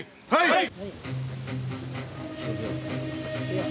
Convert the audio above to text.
はい！